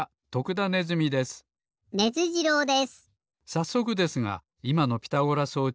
さっそくですがいまのピタゴラ装置